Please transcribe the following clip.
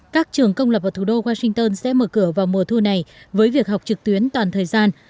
các trường công lập ở thủ đô washington sẽ mở cửa vào mùa thu này với việc học trực tuyến toàn thời gian